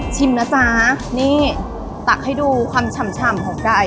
นะจ๊ะนี่ตักให้ดูความฉ่ำของไก่